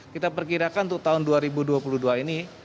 kita perkirakan untuk tahun dua ribu dua puluh dua ini